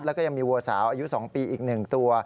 แล้วก็ยังมีวัวสาวอายุ๒ปีอีก๑ตัว